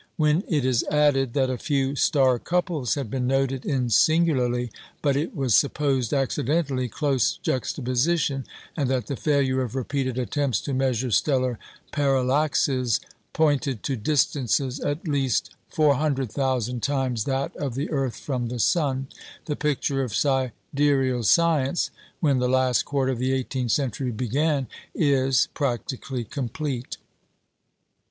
When it is added that a few star couples had been noted in singularly, but it was supposed accidentally, close juxtaposition, and that the failure of repeated attempts to measure stellar parallaxes pointed to distances at least 400,000 times that of the earth from the sun, the picture of sidereal science, when the last quarter of the eighteenth century began, is practically complete.